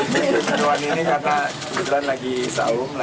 mendoan ini karena kebetulan lagi sahur sama sama puasa